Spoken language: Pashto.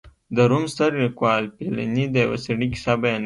د روم ستر لیکوال پیلني د یوه سړي کیسه بیانوي